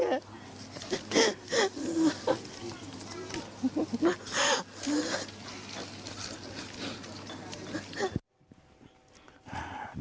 ฮ่า